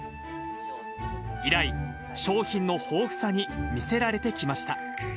以来、商品の豊富さに魅せられてきました。